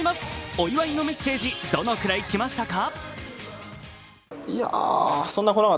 お祝いのメッセージ、どのくらい来ましたか。